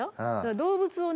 動物をね